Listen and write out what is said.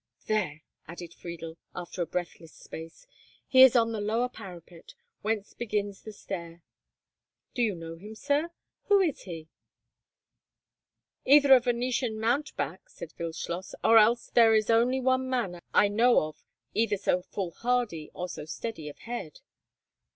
"There!" added Friedel, after a breathless space, "he is on the lower parapet, whence begins the stair. Do you know him, sir? Who is he?" "Either a Venetian mountebank," said Wildschloss, "or else there is only one man I know of either so foolhardy or so steady of head."